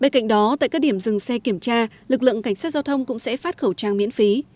cũng tại các điểm dừng xe kiểm tra lực lượng cảnh sát giao thông cũng sẽ phát khẩu trang miễn phí